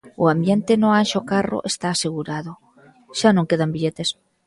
O ambiente no Anxo Carro está asegurado, xa non quedan billetes.